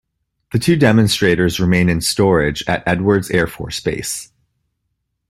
The two demonstrators remain in storage at Edwards Air Force Base.